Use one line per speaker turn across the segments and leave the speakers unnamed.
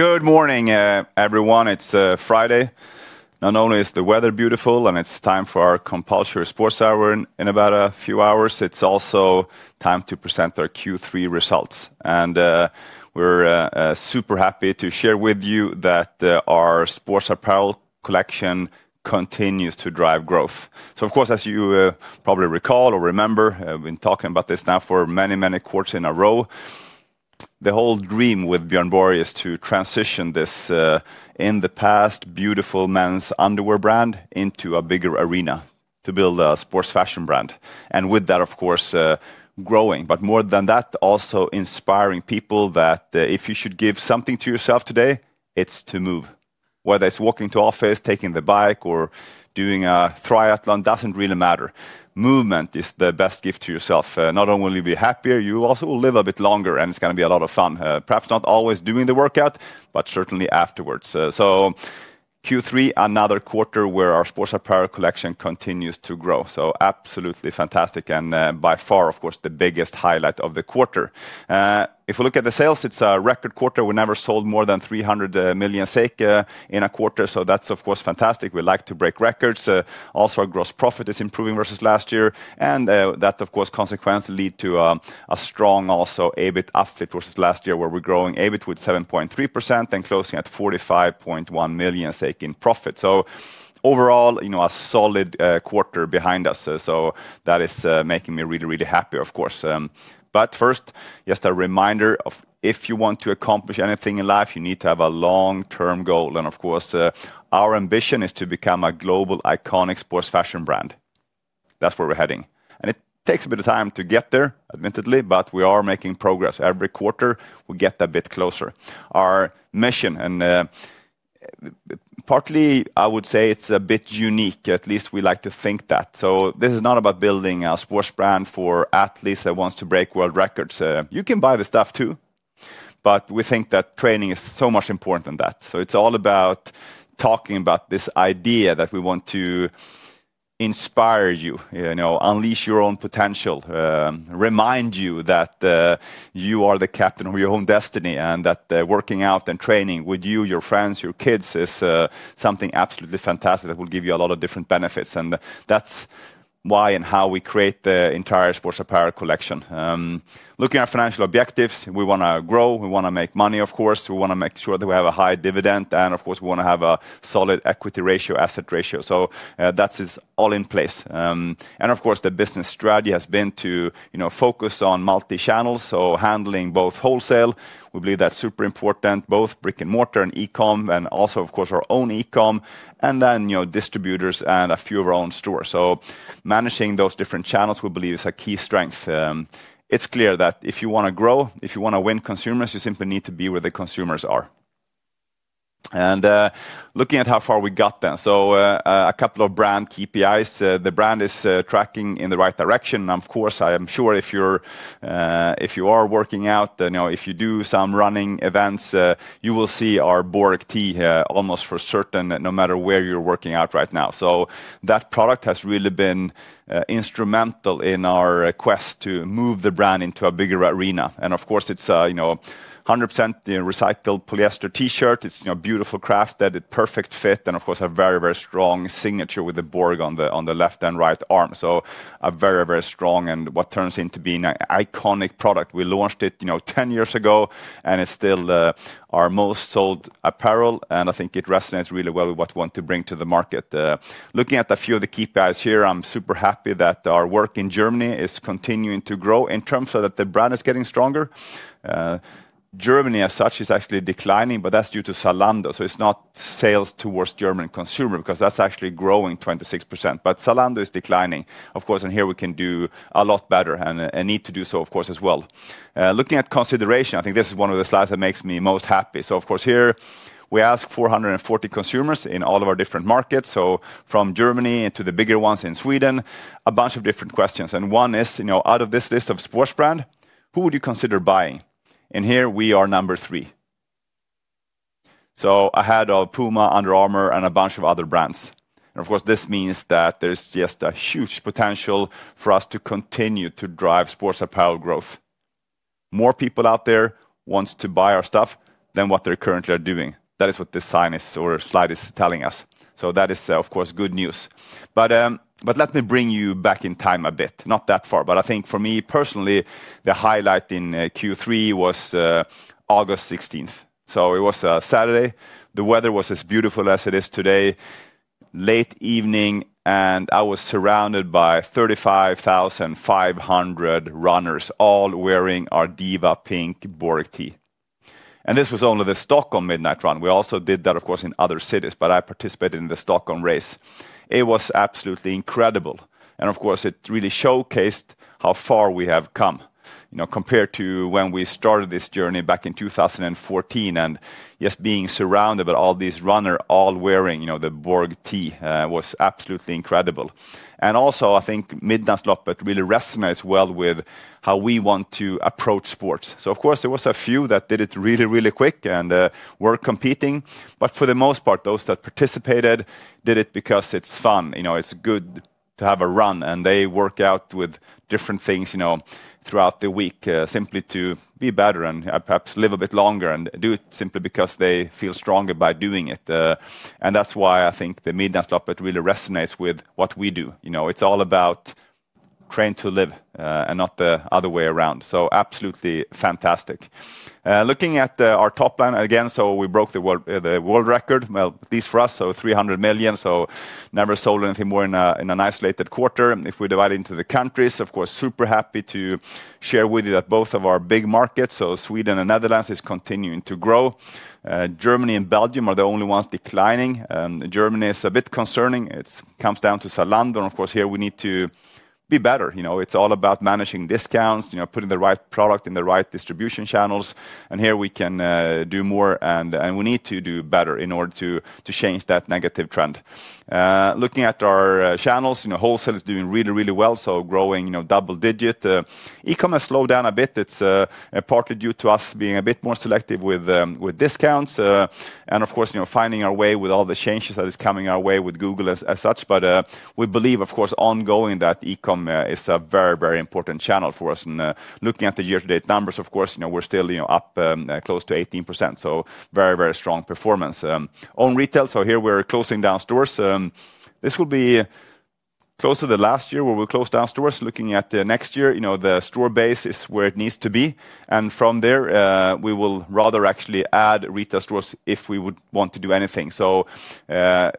Good morning, everyone. It's Friday. Not only is the weather beautiful, and it's time for our compulsory sports hour in about a few hours, it's also time to present our Q3 results. We're super happy to share with you that our sports apparel collection continues to drive growth. Of course, as you probably recall or remember, we've been talking about this now for many, many quarters in a row. The whole dream with Björn Borg is to transition this in-the-past beautiful men's underwear brand into a bigger arena to build a sports fashion brand. With that, of course, growing. More than that, also inspiring people that if you should give something to yourself today, it's to move. Whether it's walking to office, taking the bike, or doing a triathlon, it doesn't really matter. Movement is the best gift to yourself. Not only will you be happier, you also will live a bit longer, and it's going to be a lot of fun. Perhaps not always doing the workout, but certainly afterwards. Q3, another quarter where our sports apparel collection continues to grow. Absolutely fantastic. By far, of course, the biggest highlight of the quarter. If we look at the sales, it's a record quarter. We never sold more than 300 million in a quarter. That's, of course, fantastic. We like to break records. Also, our gross profit is improving versus last year. That, of course, consequently leads to a strong also EBIT upfit versus last year, where we're growing EBIT with 7.3% and closing at 45.1 million in profit. Overall, a solid quarter behind us. That is making me really, really happy, of course. First, just a reminder of if you want to accomplish anything in life, you need to have a long-term goal. Of course, our ambition is to become a global iconic sports fashion brand. That is where we are heading. It takes a bit of time to get there, admittedly, but we are making progress. Every quarter, we get a bit closer. Our mission, and partly, I would say it is a bit unique. At least we like to think that. This is not about building a sports brand for athletes that want to break world records. You can buy the stuff too, but we think that training is so much more important than that. It is all about talking about this idea that we want to inspire you, unleash your own potential, remind you that you are the captain of your own destiny, and that working out and training with you, your friends, your kids is something absolutely fantastic that will give you a lot of different benefits. That is why and how we create the entire sports apparel collection. Looking at our financial objectives, we want to grow. We want to make money, of course. We want to make sure that we have a high dividend. Of course, we want to have a solid equity ratio, asset ratio. That is all in place. Of course, the business strategy has been to focus on multi-channels. Handling both wholesale, we believe that's super important, both brick and mortar and e-com, and also, of course, our own e-com, and then distributors and a few of our own stores. Managing those different channels, we believe, is a key strength. It's clear that if you want to grow, if you want to win consumers, you simply need to be where the consumers are. Looking at how far we got there, a couple of brand KPIs. The brand is tracking in the right direction. Of course, I am sure if you are working out, if you do some running events, you will see our Borg Tee almost for certain, no matter where you're working out right now. That product has really been instrumental in our quest to move the brand into a bigger arena. Of course, it's a 100% recycled polyester T-shirt. It's a beautifully crafted, perfect fit, and, of course, a very, very strong signature with the Borg on the left and right arm. A very, very strong and what turns into being an iconic product. We launched it 10 years ago, and it's still our most sold apparel. I think it resonates really well with what we want to bring to the market. Looking at a few of the KPIs here, I'm super happy that our work in Germany is continuing to grow in terms of that the brand is getting stronger. Germany as such is actually declining, but that's due to Zalando. It's not sales towards German consumer because that's actually growing 26%. Zalando is declining, of course, and here we can do a lot better and need to do so, of course, as well. Looking at consideration, I think this is one of the slides that makes me most happy. Of course, here we ask 440 consumers in all of our different markets. From Germany into the bigger ones in Sweden, a bunch of different questions. One is, out of this list of sports brands, who would you consider buying? Here we are number three, ahead of Puma, Under Armour, and a bunch of other brands. Of course, this means that there's just a huge potential for us to continue to drive sports apparel growth. More people out there want to buy our stuff than what they currently are doing. That is what this sign or slide is telling us. That is, of course, good news. Let me bring you back in time a bit, not that far. I think for me personally, the highlight in Q3 was August 16th. It was a Saturday. The weather was as beautiful as it is today, late evening, and I was surrounded by 35,500 runners all wearing our Diva Pink Borg Tee. This was only the Stockholm Midnight Run. We also did that, of course, in other cities, but I participated in the Stockholm race. It was absolutely incredible. It really showcased how far we have come compared to when we started this journey back in 2014. Just being surrounded by all these runners all wearing the Borg Tee was absolutely incredible. I think Midnattsloppet really resonates well with how we want to approach sports. Of course, there were a few that did it really, really quick and were competing. For the most part, those that participated did it because it is fun. It is good to have a run. They work out with different things throughout the week simply to be better and perhaps live a bit longer and do it simply because they feel stronger by doing it. That is why I think the Midnattsloppet really resonates with what we do. It is all about trying to live and not the other way around. Absolutely fantastic. Looking at our top line again, we broke the world record, at least for us, so 300 million. Never sold anything more in an isolated quarter. If we divide it into the countries, of course, super happy to share with you that both of our big markets, Sweden and Netherlands, are continuing to grow. Germany and Belgium are the only ones declining. Germany is a bit concerning. It comes down to Zalando. Of course, here we need to be better. It is all about managing discounts, putting the right product in the right distribution channels. Here we can do more. We need to do better in order to change that negative trend. Looking at our channels, wholesale is doing really, really well, growing double digit. E-com has slowed down a bit. It is partly due to us being a bit more selective with discounts. Of course, finding our way with all the changes that are coming our way with Google as such. We believe, of course, ongoing that e-com is a very, very important channel for us. Looking at the year-to-date numbers, we are still up close to 18%. Very, very strong performance. On retail, here we are closing down stores. This will be close to the last year where we'll close down stores. Looking at next year, the store base is where it needs to be. From there, we will rather actually add retail stores if we would want to do anything.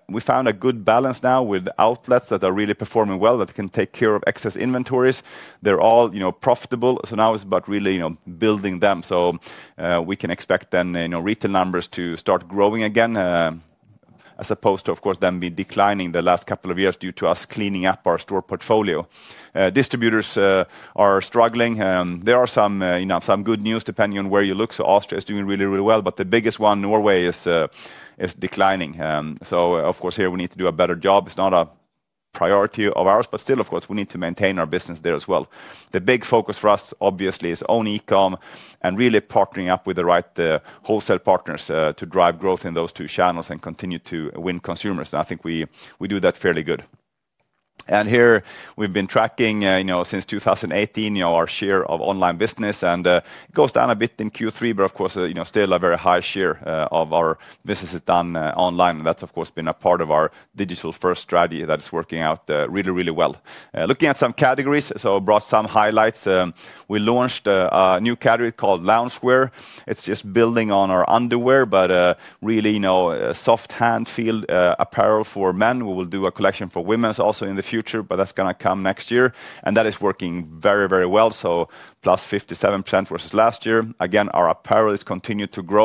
We found a good balance now with outlets that are really performing well, that can take care of excess inventories. They're all profitable. Now it's about really building them. We can expect then retail numbers to start growing again, as opposed to, of course, them being declining the last couple of years due to us cleaning up our store portfolio. Distributors are struggling. There are some good news depending on where you look. Austria is doing really, really well. The biggest one, Norway, is declining. Of course, here we need to do a better job. It's not a priority of ours, but still, of course, we need to maintain our business there as well. The big focus for us, obviously, is own e-com and really partnering up with the right wholesale partners to drive growth in those two channels and continue to win consumers. I think we do that fairly good. Here we've been tracking since 2018 our share of online business. It goes down a bit in Q3, but of course, still a very high share of our business is done online. That's, of course, been a part of our digital-first strategy that is working out really, really well. Looking at some categories, I brought some highlights. We launched a new category called Loungewear. It's just building on our underwear, but really soft hand-feel apparel for men. We will do a collection for women’s also in the future, but that’s going to come next year. That is working very, very well. Plus 57% versus last year. Again, our apparel has continued to grow.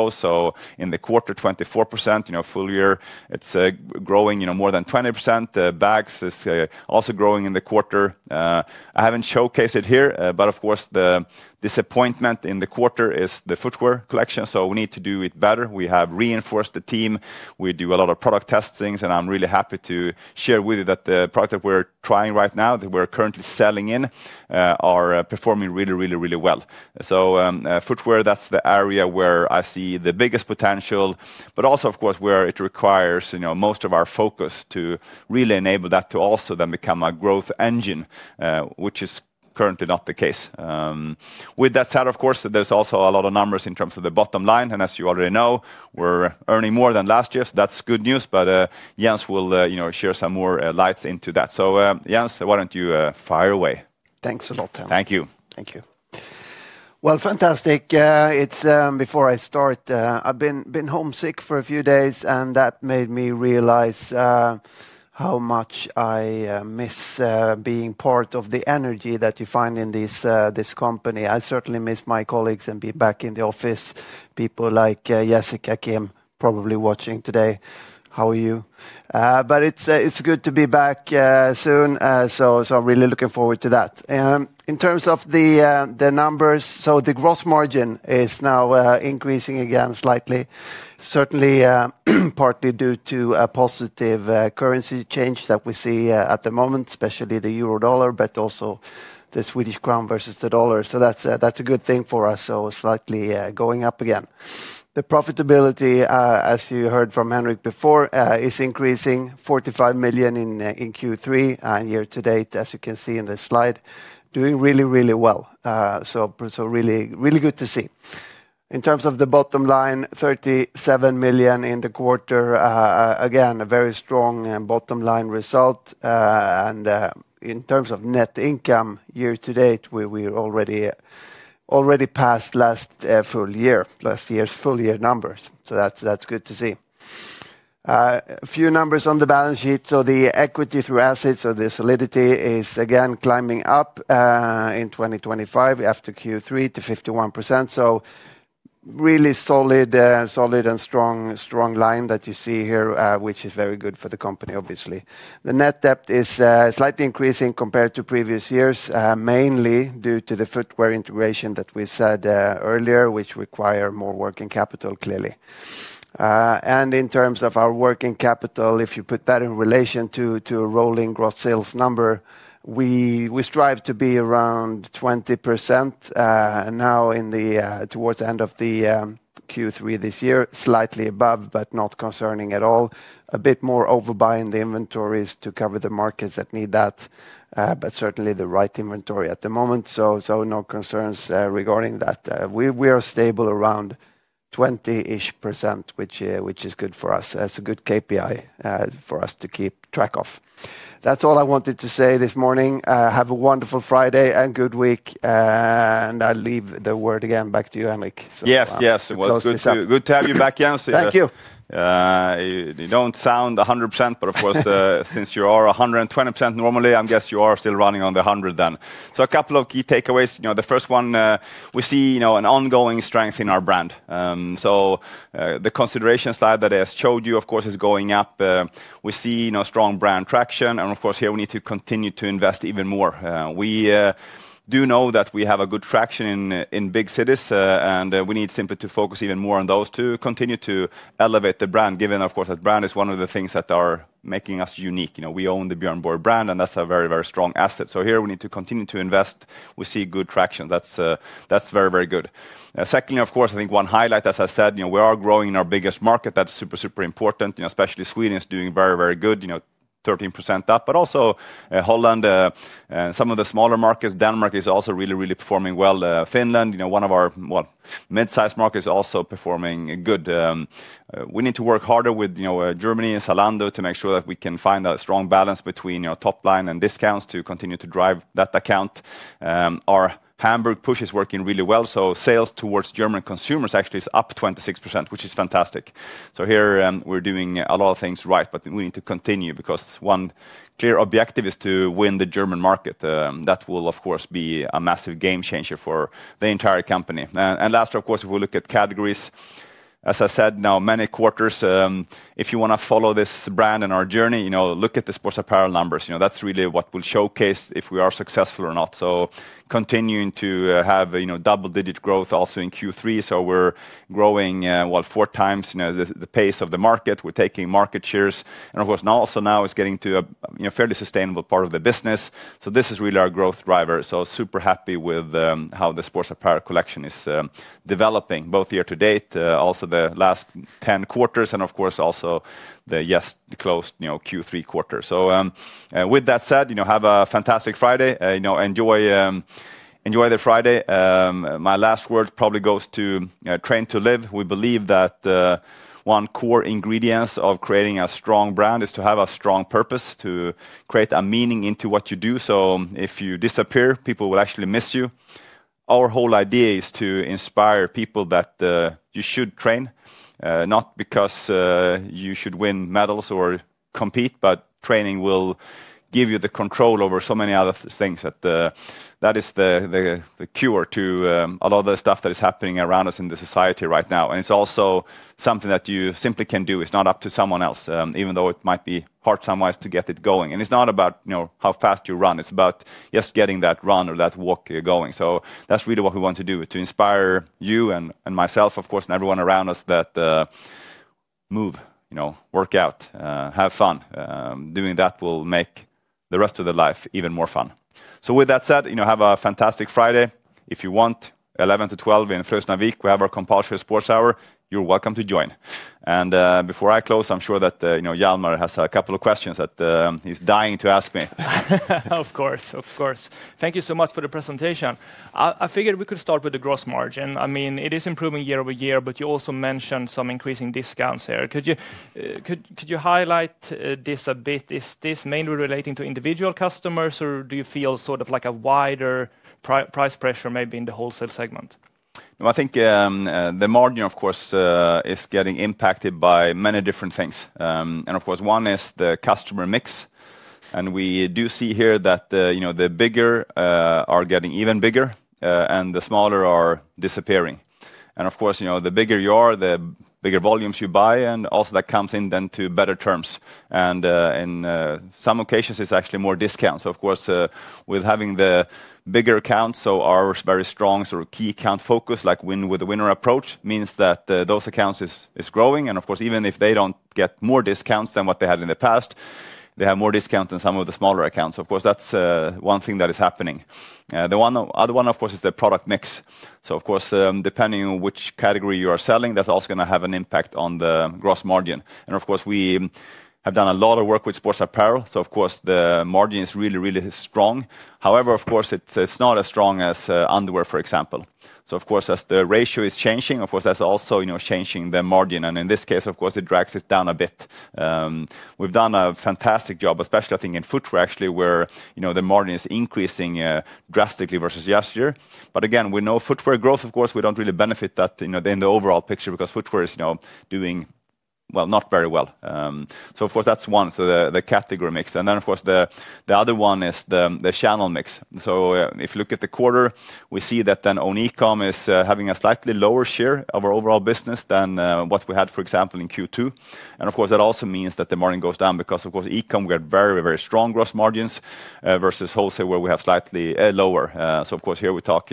In the quarter, 24%. Full year, it’s growing more than 20%. Bags is also growing in the quarter. I haven’t showcased it here, but of course, the disappointment in the quarter is the footwear collection. We need to do it better. We have reinforced the team. We do a lot of product testing. I’m really happy to share with you that the product that we’re trying right now, that we’re currently selling in, are performing really, really, really well. Footwear, that's the area where I see the biggest potential, but also, of course, where it requires most of our focus to really enable that to also then become a growth engine, which is currently not the case. With that said, of course, there's also a lot of numbers in terms of the bottom line. As you already know, we're earning more than last year. That's good news. Jens will share some more lights into that. Jens, why don't you fire away?
Thanks a lot, Henrik.
Thank you.
Thank you. Fantastic. Before I start, I've been homesick for a few days, and that made me realize how much I miss being part of the energy that you find in this company. I certainly miss my colleagues and being back in the office. People like Jessica Kim probably watching today. How are you? It's good to be back soon. I'm really looking forward to that. In terms of the numbers, the gross margin is now increasing again slightly, certainly partly due to a positive currency change that we see at the moment, especially the euro/dollar, but also the Swedish Krona versus the dollar. That's a good thing for us. Slightly going up again. The profitability, as you heard from Henrik before, is increasing, 45 million in Q3 and year-to-date, as you can see in this slide, doing really, really well. Really, really good to see. In terms of the bottom line, 37 million in the quarter. Again, a very strong bottom line result. In terms of net income year-to-date, we've already passed last year's full year numbers. That's good to see. A few numbers on the balance sheet. The equity through assets, so the solidity is again climbing up in 2025 after Q3 to 51%. Really solid and strong line that you see here, which is very good for the company, obviously. The net debt is slightly increasing compared to previous years, mainly due to the footwear integration that we said earlier, which requires more working capital clearly. In terms of our working capital, if you put that in relation to a rolling gross sales number, we strive to be around 20% now towards the end of Q3 this year, slightly above, but not concerning at all. A bit more overbuying the inventories to cover the markets that need that, but certainly the right inventory at the moment. No concerns regarding that. We are stable around 20ish percent, which is good for us. That is a good KPI for us to keep track of. That's all I wanted to say this morning. Have a wonderful Friday and good week. I'll leave the word again back to you, Henrik.
Yes, yes. It was good to have you back, Jens.
Thank you.
You do not sound 100%, but of course, since you are 120% normally, I guess you are still running on the 100 then. A couple of key takeaways. The first one, we see an ongoing strength in our brand. The consideration slide that I showed you, of course, is going up. We see strong brand traction. Of course, here we need to continue to invest even more. We do know that we have good traction in big cities. We need simply to focus even more on those to continue to elevate the brand, given, of course, that brand is one of the things that are making us unique. We own the Björn Borg brand, and that's a very, very strong asset. Here we need to continue to invest. We see good traction. That's very, very good. Secondly, of course, I think one highlight, as I said, we are growing in our biggest market. That's super, super important. Especially Sweden is doing very, very good, 13% up. Also Holland and some of the smaller markets. Denmark is also really, really performing well. Finland, one of our mid-sized markets, also performing good. We need to work harder with Germany and Zalando to make sure that we can find a strong balance between top line and discounts to continue to drive that account. Our Hamburg push is working really well. Sales towards German consumers actually is up 26%, which is fantastic. Here we are doing a lot of things right, but we need to continue because one clear objective is to win the German market. That will, of course, be a massive game changer for the entire company. Lastly, if we look at categories, as I have said now many quarters, if you want to follow this brand and our journey, look at the sports apparel numbers. That is really what will showcase if we are successful or not. Continuing to have double-digit growth also in Q3, we are growing four times the pace of the market. We are taking market shares. Now it is getting to a fairly sustainable part of the business. This is really our growth driver. Super happy with how the sports apparel collection is developing, both year-to-date, also the last 10 quarters, and of course, also the, yes, the closed Q3 quarter. With that said, have a fantastic Friday. Enjoy the Friday. My last word probably goes to train to live. We believe that one core ingredient of creating a strong brand is to have a strong purpose, to create a meaning into what you do. If you disappear, people will actually miss you. Our whole idea is to inspire people that you should train, not because you should win medals or compete, but training will give you the control over so many other things. That is the cure to a lot of the stuff that is happening around us in the society right now. It is also something that you simply can do. It's not up to someone else, even though it might be hard somewhere to get it going. It's not about how fast you run. It's about just getting that run or that walk going. That's really what we want to do, to inspire you and myself, of course, and everyone around us to move, work out, have fun. Doing that will make the rest of life even more fun. With that said, have a fantastic Friday. If you want, 11:00 to 12:00. in the first week, we have our compulsory sports hour. You're welcome to join. Before I close, I'm sure that Jelmer has a couple of questions that he's dying to ask me. Of course, of course. Thank you so much for the presentation. I figured we could start with the gross margin. I mean, it is improving year-over-year, but you also mentioned some increasing discounts here. Could you highlight this a bit? Is this mainly relating to individual customers, or do you feel sort of like a wider price pressure maybe in the wholesale segment? I think the margin, of course, is getting impacted by many different things. Of course, one is the customer mix. We do see here that the bigger are getting even bigger, and the smaller are disappearing. The bigger you are, the bigger volumes you buy. Also, that comes in then to better terms. In some occasions, it is actually more discounts. Of course, with having the bigger accounts, our very strong sort of key account focus, like win with a winner approach, means that those accounts are growing. Of course, even if they do not get more discounts than what they had in the past, they have more discounts than some of the smaller accounts. That is one thing that is happening. The other one, of course, is the product mix. Depending on which category you are selling, that is also going to have an impact on the gross margin. We have done a lot of work with sports apparel, so the margin is really, really strong. However, it is not as strong as underwear, for example. As the ratio is changing, that is also changing the margin. In this case, it drags it down a bit. We have done a fantastic job, especially I think in footwear actually, where the margin is increasing drastically versus last year. Again, with no footwear growth, of course, we do not really benefit that in the overall picture because footwear is doing not very well. That is one, so the category mix. Then, the other one is the channel mix. If you look at the quarter, we see that own e-com is having a slightly lower share of our overall business than what we had, for example, in Q2. That also means that the margin goes down because e-com, we had very, very strong gross margins versus wholesale where we have slightly lower. Here we talk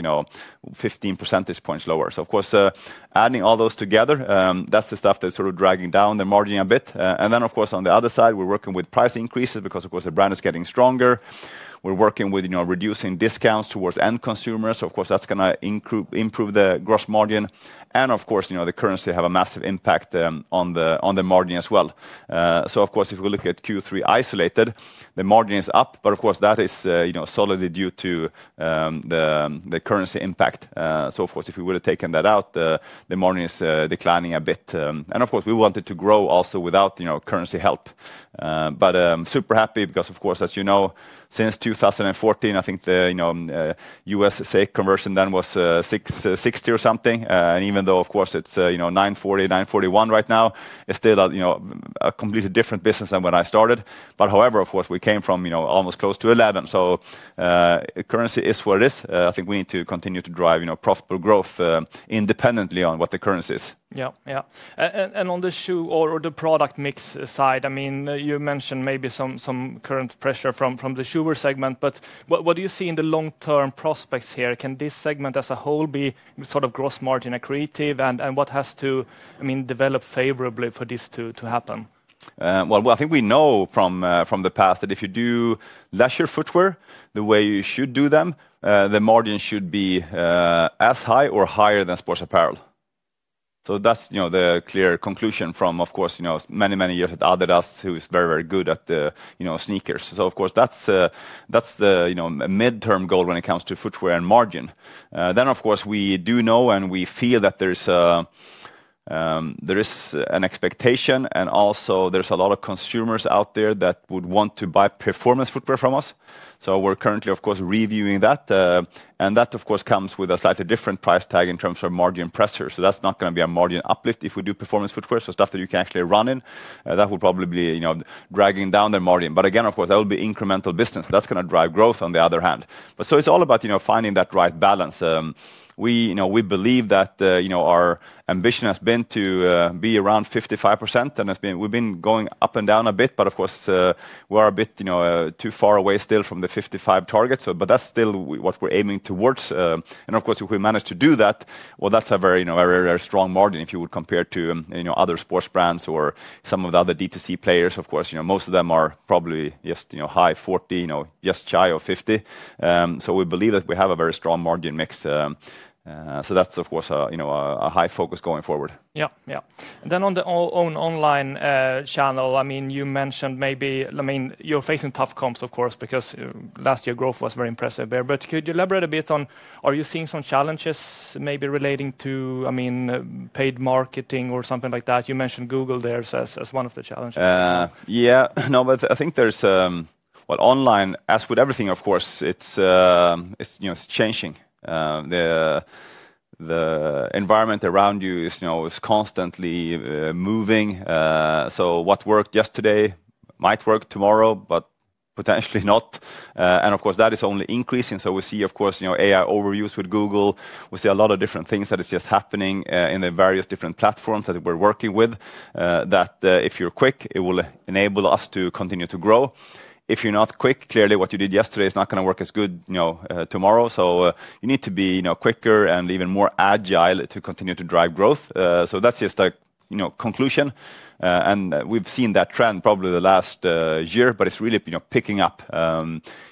15 percentage points lower. Adding all those together, that is the stuff that is sort of dragging down the margin a bit. Of course, on the other side, we're working with price increases because, of course, the brand is getting stronger. We're working with reducing discounts towards end consumers. Of course, that's going to improve the gross margin. Of course, the currency has a massive impact on the margin as well. If we look at Q3 isolated, the margin is up, but of course, that is solidly due to the currency impact. If we would have taken that out, the margin is declining a bit. Of course, we wanted to grow also without currency help. Super happy because, of course, as you know, since 2014, I think the U.S. SEK conversion then was 60 or something. Even though, of course, it's SEK 9.40, 9.41 right now, it's still a completely different business than when I started. However, of course, we came from almost close to 11. Currency is what it is. I think we need to continue to drive profitable growth independently on what the currency is. Yeah, yeah. On the shoe or the product mix side, I mean, you mentioned maybe some current pressure from the footwear segment, but what do you see in the long-term prospects here? Can this segment as a whole be sort of gross margin accretive? What has to develop favorably for this to happen? I think we know from the past that if you do lesser footwear the way you should do them, the margin should be as high or higher than sports apparel. That is the clear conclusion from, of course, many, many years at Adidas, who is very, very good at sneakers. Of course, that's the midterm goal when it comes to footwear and margin. Of course, we do know and we feel that there is an expectation and also there's a lot of consumers out there that would want to buy performance footwear from us. We're currently, of course, reviewing that. That, of course, comes with a slightly different price tag in terms of margin pressure. That's not going to be a margin uplift if we do performance footwear. Stuff that you can actually run in will probably be dragging down the margin. Again, of course, that will be incremental business. That's going to drive growth on the other hand. It's all about finding that right balance. We believe that our ambition has been to be around 55%. We've been going up and down a bit, but of course, we're a bit too far away still from the 55% target. That's still what we're aiming towards. If we manage to do that, that's a very strong margin if you would compare to other sports brands or some of the other D2C players. Most of them are probably just high 40%, just shy of 50%. We believe that we have a very strong margin mix. That's a high focus going forward. Yeah, yeah. On the own online channel, I mean, you mentioned maybe, I mean, you're facing tough comps, of course, because last year growth was very impressive there. Could you elaborate a bit on, are you seeing some challenges maybe relating to, I mean, paid marketing or something like that? You mentioned Google there as one of the challenges. Yeah. No, but I think there's, well, online, as with everything, of course, it's changing. The environment around you is constantly moving. What worked yesterday might work tomorrow, but potentially not. Of course, that is only increasing. We see, of course, AI overuse with Google. We see a lot of different things that are just happening in the various different platforms that we're working with, that if you're quick, it will enable us to continue to grow. If you're not quick, clearly what you did yesterday is not going to work as good tomorrow. You need to be quicker and even more agile to continue to drive growth. That's just a conclusion. We've seen that trend probably the last year, but it's really picking up.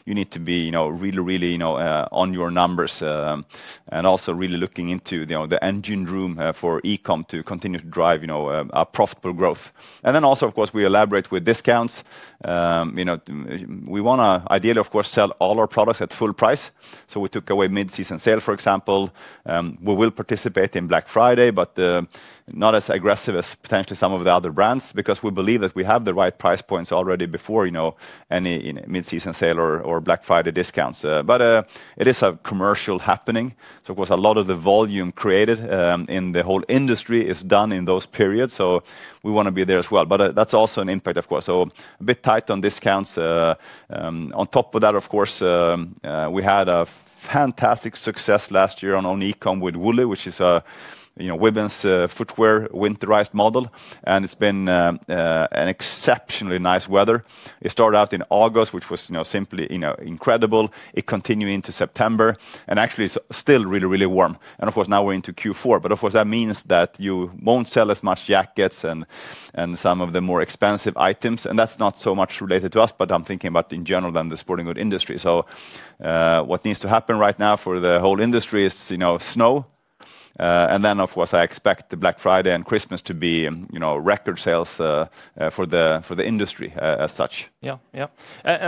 You need to be really, really on your numbers and also really looking into the engine room for e-com to continue to drive profitable growth. And then also, of course, we elaborate with discounts. We want to ideally, of course, sell all our products at full price. So we took away mid-season sale, for example. We will participate in Black Friday, but not as aggressive as potentially some of the other brands because we believe that we have the right price points already before any mid-season sale or Black Friday discounts. But it is a commercial happening. So of course, a lot of the volume created in the whole industry is done in those periods. We want to be there as well. That is also an impact, of course. A bit tight on discounts. On top of that, of course, we had a fantastic success last year on own e-com with Wooly, which is a women's footwear winterized model. It has been an exceptionally nice weather. It started out in August, which was simply incredible. It continued into September. Actually, it is still really, really warm. Of course, now we are into Q4. Of course, that means that you will not sell as many jackets and some of the more expensive items. That is not so much related to us, but I am thinking about in general in the sporting goods industry. What needs to happen right now for the whole industry is snow. Of course, I expect Black Friday and Christmas to be record sales for the industry as such. Yeah, yeah.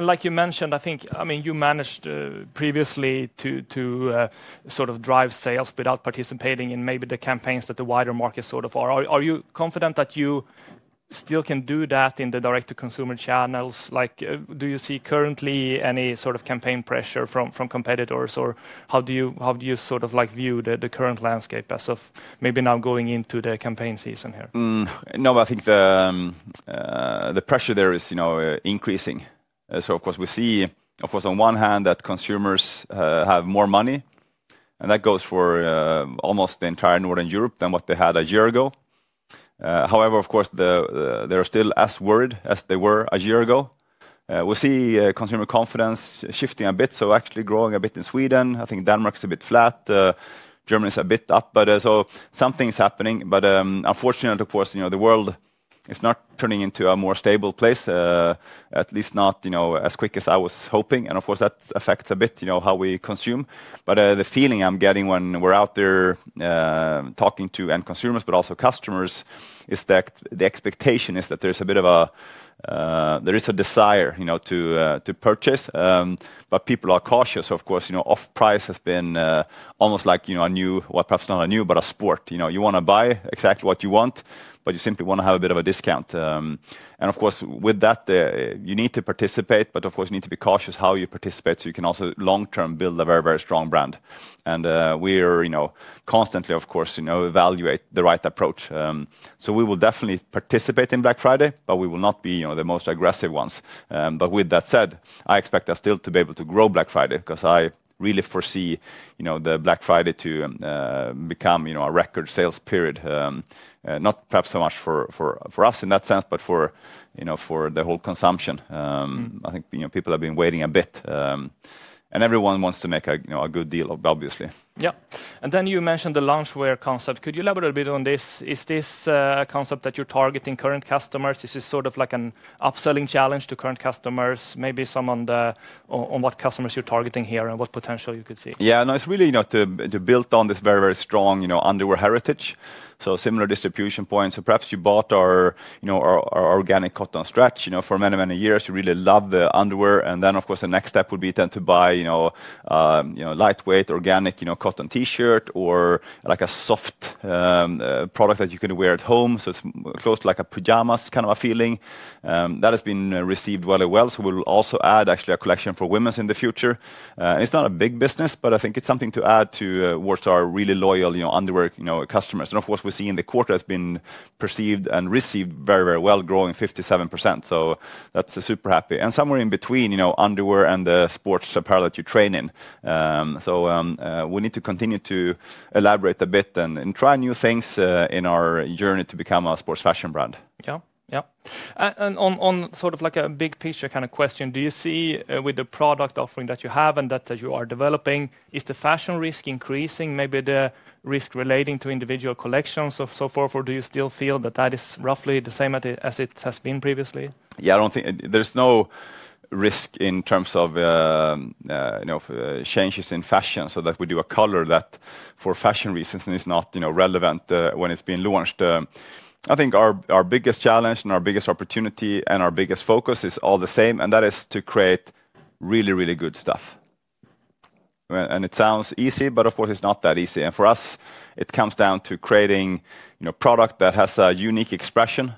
Like you mentioned, I think, I mean, you managed previously to sort of drive sales without participating in maybe the campaigns that the wider market sort of are. Are you confident that you still can do that in the direct-to-consumer channels? Like, do you see currently any sort of campaign pressure from competitors? How do you sort of view the current landscape as of maybe now going into the campaign season here? No, I think the pressure there is increasing. Of course, we see, of course, on one hand that consumers have more money. That goes for almost the entire Northern Europe than what they had a year ago. However, of course, they're still as worried as they were a year ago. We see consumer confidence shifting a bit, so actually growing a bit in Sweden. I think Denmark's a bit flat. Germany's a bit up, but something's happening. Unfortunately, of course, the world is not turning into a more stable place, at least not as quick as I was hoping. Of course, that affects a bit how we consume. The feeling I'm getting when we're out there talking to end consumers, but also customers, is that the expectation is that there's a bit of a, there is a desire to purchase. People are cautious, of course. Off price has been almost like a new, well, perhaps not a new, but a sport. You want to buy exactly what you want, but you simply want to have a bit of a discount. With that, you need to participate, but of course, you need to be cautious how you participate so you can also long-term build a very, very strong brand. We constantly, of course, evaluate the right approach. We will definitely participate in Black Friday, but we will not be the most aggressive ones. With that said, I expect us still to be able to grow Black Friday because I really foresee the Black Friday to become a record sales period, not perhaps so much for us in that sense, but for the whole consumption. I think people have been waiting a bit. Everyone wants to make a good deal, obviously. Yeah. You mentioned the loungewear concept. Could you elaborate a bit on this? Is this a concept that you're targeting current customers? Is this sort of like an upselling challenge to current customers? Maybe some on what customers you're targeting here and what potential you could see? Yeah, no, it's really built on this very, very strong underwear heritage. Similar distribution points. Perhaps you bought our organic cotton stretch for many, many years. You really love the underwear. Of course, the next step would be to buy a lightweight organic cotton T-shirt or like a soft product that you can wear at home. It is close to like a pajamas kind of a feeling. That has been received very well. We will also add actually a collection for women in the future. It is not a big business, but I think it is something to add towards our really loyal underwear customers. Of course, we are seeing the quarter has been perceived and received very, very well, growing 57%. That is super happy. Somewhere in between underwear and the sports apparel that you train in. We need to continue to elaborate a bit and try new things in our journey to become a sports fashion brand. Yeah, yeah. On sort of like a big picture kind of question, do you see with the product offering that you have and that you are developing, is the fashion risk increasing, maybe the risk relating to individual collections so far? Or do you still feel that that is roughly the same as it has been previously? Yeah, I don't think there's no risk in terms of changes in fashion so that we do a color that for fashion reasons is not relevant when it's been launched. I think our biggest challenge and our biggest opportunity and our biggest focus is all the same, and that is to create really, really good stuff. It sounds easy, but of course, it's not that easy. For us, it comes down to creating a product that has a unique expression. Of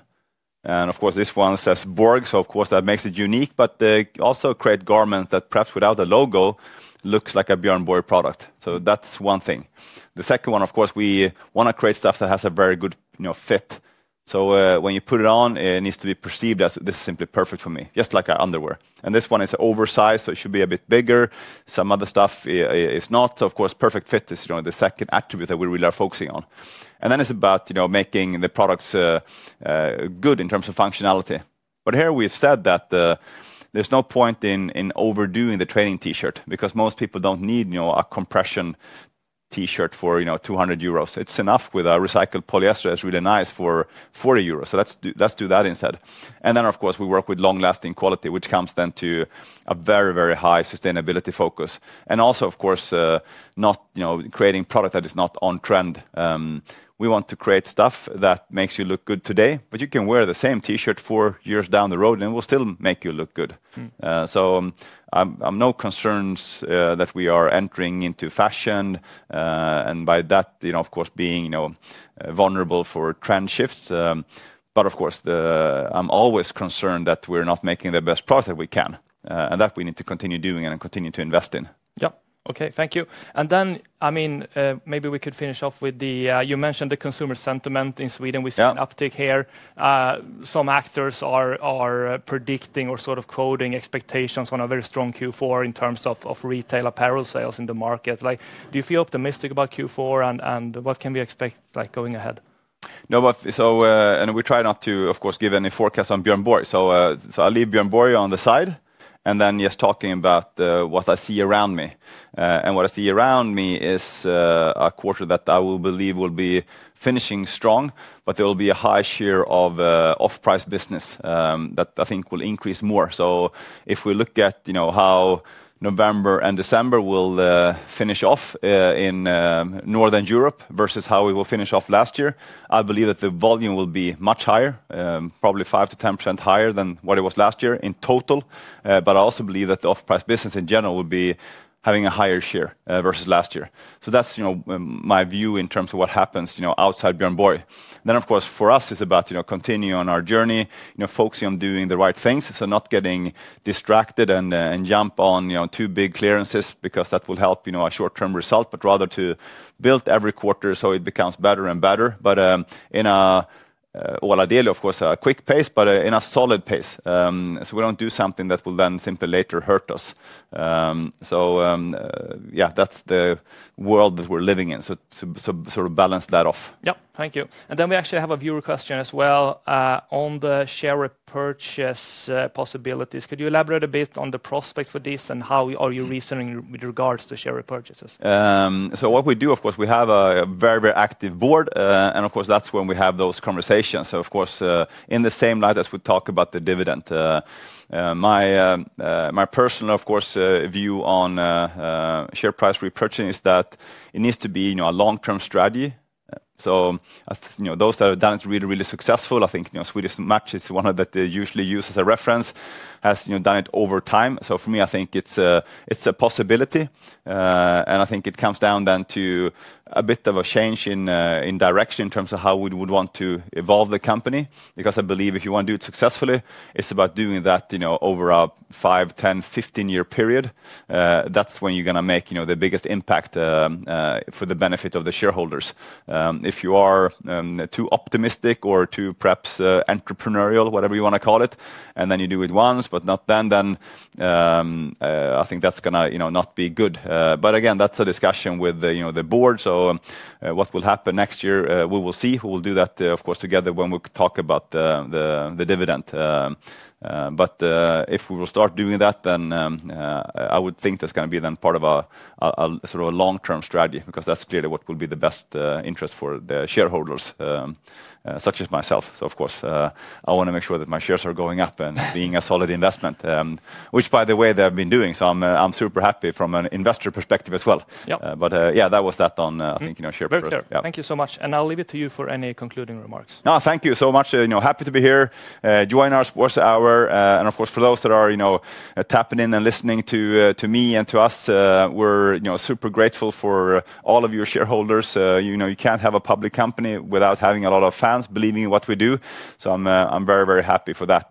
course, this one says Borg, so of course, that makes it unique, but also create garments that perhaps without a logo look like a Björn Borg product. That is one thing. The second one, of course, we want to create stuff that has a very good fit. When you put it on, it needs to be perceived as this is simply perfect for me, just like our underwear. This one is oversized, so it should be a bit bigger. Some other stuff is not. Perfect fit is the second attribute that we really are focusing on. Then it is about making the products good in terms of functionality. Here we have said that there is no point in overdoing the training T-shirt because most people do not need a compression T-shirt for 200 euros. It is enough with a recycled polyester. It is really nice for 40 euros. Let's do that instead. And then, of course, we work with long-lasting quality, which comes then to a very, very high sustainability focus. Also, of course, not creating product that is not on trend. We want to create stuff that makes you look good today, but you can wear the same T-shirt four years down the road, and it will still make you look good. I have no concerns that we are entering into fashion and by that, of course, being vulnerable for trend shifts. Of course, I'm always concerned that we're not making the best product that we can and that we need to continue doing and continue to invest in. Yeah. Okay. Thank you. Then, I mean, maybe we could finish off with the, you mentioned the consumer sentiment in Sweden. We see an uptick here. Some actors are predicting or sort of quoting expectations on a very strong Q4 in terms of retail apparel sales in the market. Do you feel optimistic about Q4 and what can we expect going ahead? No, but so, and we try not to, of course, give any forecasts on Björn Borg. I will leave Björn Borg on the side. Yes, talking about what I see around me. What I see around me is a quarter that I will believe will be finishing strong, but there will be a high share of off-price business that I think will increase more. If we look at how November and December will finish off in Northern Europe versus how we will finish off last year, I believe that the volume will be much higher, probably 5%-10% higher than what it was last year in total. I also believe that the off-price business in general will be having a higher share versus last year. That is my view in terms of what happens outside Björn Borg. Of course, for us, it is about continuing on our journey, focusing on doing the right things, not getting distracted and jumping on too big clearances because that will help a short-term result, but rather to build every quarter so it becomes better and better. Ideally, of course, at a quick pace, but at a solid pace. We do not do something that will then simply later hurt us. That is the world that we are living in, to sort of balance that off. Thank you. We actually have a viewer question as well on the share repurchase possibilities. Could you elaborate a bit on the prospect for this and how are you reasoning with regards to share repurchases? What we do, of course, we have a very, very active board. Of course, that is when we have those conversations. In the same light as we talk about the dividend, my personal, of course, view on share price repurchase is that it needs to be a long-term strategy. Those that have done it really, really successfully, I think Swedish Match is one that they usually use as a reference, has done it over time. For me, I think it is a possibility. I think it comes down then to a bit of a change in direction in terms of how we would want to evolve the company. Because I believe if you want to do it successfully, it's about doing that over a 5, 10, 15-year period. That's when you're going to make the biggest impact for the benefit of the shareholders. If you are too optimistic or too perhaps entrepreneurial, whatever you want to call it, and then you do it once, but not then, I think that's going to not be good. Again, that's a discussion with the board. What will happen next year, we will see. We will do that, of course, together when we talk about the dividend. If we will start doing that, then I would think that's going to be then part of a sort of a long-term strategy because that's clearly what will be the best interest for the shareholders, such as myself. Of course, I want to make sure that my shares are going up and being a solid investment, which by the way, they've been doing. I'm super happy from an investor perspective as well. That was that on, I think, share price. Thank you so much. I'll leave it to you for any concluding remarks. No, thank you so much. Happy to be here. Join our sports hour. For those that are tapping in and listening to me and to us, we're super grateful for all of your shareholders. You can't have a public company without having a lot of fans believing in what we do. I'm very, very happy for that.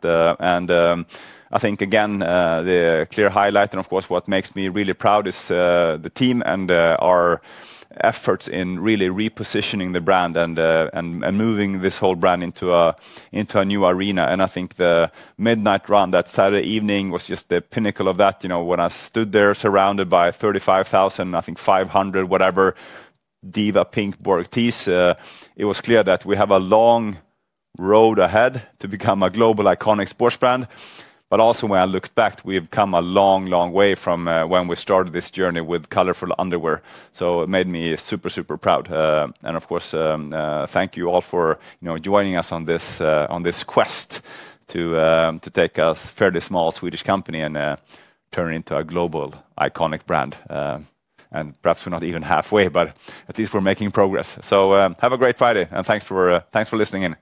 I think, again, the clear highlight and of course, what makes me really proud is the team and our efforts in really repositioning the brand and moving this whole brand into a new arena. I think the midnight run that Saturday evening was just the pinnacle of that. When I stood there surrounded by 35,500, whatever, Diva Pink Borg tees, it was clear that we have a long road ahead to become a global iconic sports brand. Also when I looked back, we've come a long, long way from when we started this journey with colorful underwear. It made me super, super proud. Of course, thank you all for joining us on this quest to take a fairly small Swedish company and turn it into a global iconic brand. Perhaps we're not even halfway, but at least we're making progress. Have a great Friday. And thanks for listening.